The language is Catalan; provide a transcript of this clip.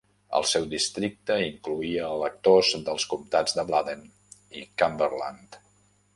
El seu districte incloïa electors dels comtats de Bladen i Cumberland.